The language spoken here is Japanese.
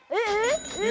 えっ！